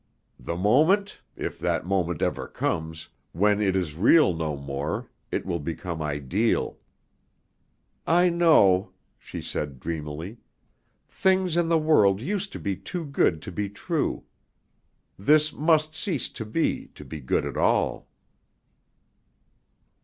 The moment, if that moment ever comes, when it is real no more, it will become ideal." "I know," she said dreamily. "Things in the world used to be too good to be true. This must cease to be, to be good at all."